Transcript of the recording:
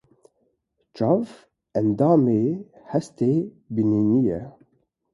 Çav endamê hestê bînînê ye.